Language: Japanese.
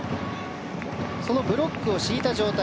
ブロックを敷いた状態